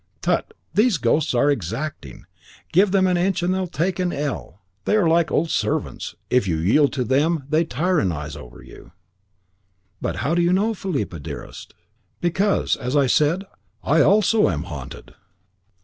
"Tut! these ghosts are exacting. Give them an inch and they take an ell. They are like old servants; if you yield to them they tyrannise over you." "But how do you know, Philippa, dearest?" "Because, as I said, I also am haunted."